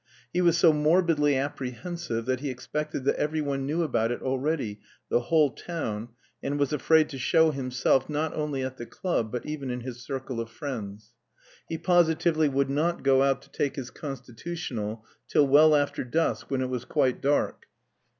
He was so morbidly apprehensive that he expected that every one knew about it already, the whole town, and was afraid to show himself, not only at the club, but even in his circle of friends. He positively would not go out to take his constitutional till well after dusk, when it was quite dark.